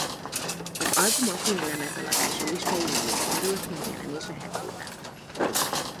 Az album a finn lemezeladási lista élére került megjelenése hetében.